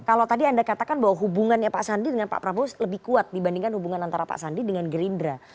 kalau tadi anda katakan bahwa hubungannya pak sandi dengan pak prabowo lebih kuat dibandingkan hubungan antara pak sandi dengan gerindra